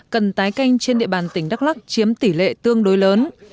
cần tái canh trên địa bàn tỉnh đắk lắc chiếm tỷ lệ tương đối lớn